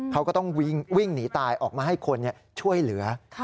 เขาก็ต้องวิ่งหนีตายออกมาให้คนช่วยเหลือ